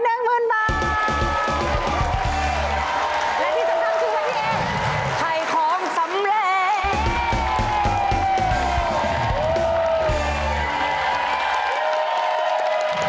และที่สำคัญคือใครของสำเร็จ